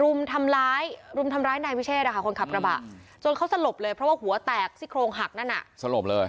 รุมทำร้ายรุมทำร้ายนายวิเชษคนขับกระบะจนเขาสลบเลยเพราะว่าหัวแตกซี่โครงหักนั่นน่ะสลบเลย